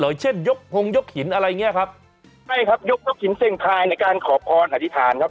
หรอเช่นยกพงษ์ยกหินอะไรเนี่ยครับในการขอพรอธิษฐานครับ